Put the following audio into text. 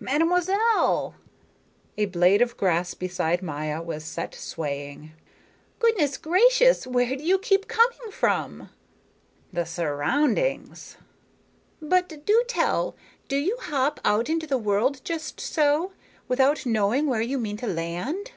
"Mademoiselle!" A blade of grass beside Maya was set swaying. "Goodness gracious! Where do you keep coming from?" "The surroundings." "But do tell, do you hop out into the world just so, without knowing where you mean to land?"